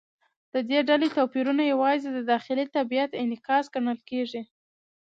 د دې ډلې توپیرونه یوازې د داخلي طبیعت انعکاس ګڼل کېږي.